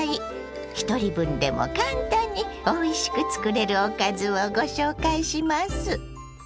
ひとり分でも簡単においしく作れるおかずをご紹介します。